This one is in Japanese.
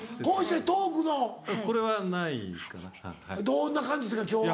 どんな感じですか今日は。